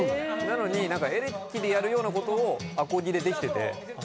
エレキでやるようなことをアコギでできてる。